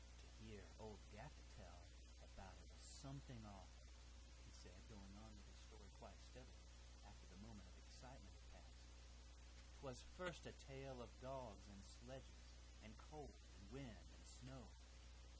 "To hear old Gaffett tell about it was something awful," he said, going on with his story quite steadily after the moment of excitement had passed. "'Twas first a tale of dogs and sledges, and cold and wind and snow.